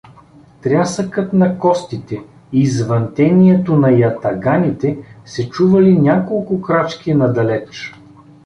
Трясъкът на костите и звънтението на ятаганите се чували няколко крачки надалеч.